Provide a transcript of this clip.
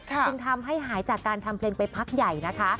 จึงทำให้หายจากการทำเพลงไปพักใหญ่นะคะ